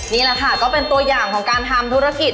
นี่แหละค่ะก็เป็นตัวอย่างของการทำธุรกิจ